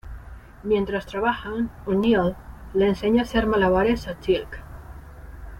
Mientras trabajan, O'Neill le enseña hacer malabares a Teal'c.